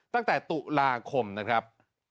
ตั้งแต่ตุลาคมนะครับ